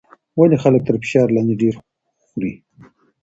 ولې خلک تر فشار لاندې ډېر خوري؟